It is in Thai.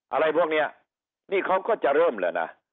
อะไรพวกนี้นี่เขาก็จะเริ่มแล้วนะ